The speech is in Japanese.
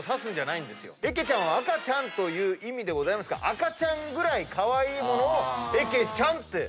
えけちゃんは赤ちゃんという意味でございますが赤ちゃんぐらいカワイイものをえけちゃんって。